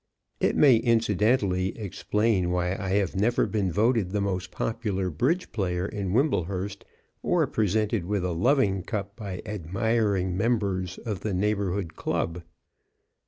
It may incidentally explain why I have never been voted the most popular bridge player in Wimblehurst or presented with a loving cup by admiring members of the Neighborhood Club.